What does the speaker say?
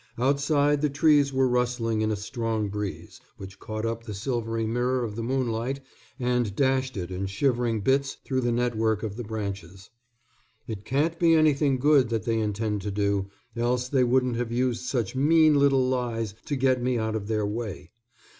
Outside, the trees were rustling in a strong breeze, which caught up the silvery mirror of the moonlight and dashed it in shivering bits through the network of the branches. "It can't be anything good that they intend to do, else they wouldn't have used such mean little lies to get me out of their way.